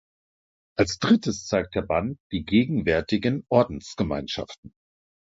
Als Drittes zeigt der Band die gegenwärtigen Ordensgemeinschaften.